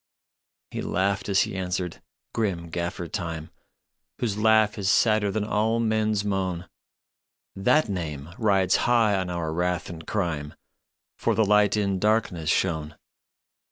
" He laughed as he answered, grim Gaffer Time, Whose laugh is sadder than all men s moan. " That name rides high on our wrath and crime, For the Light in darkness shone.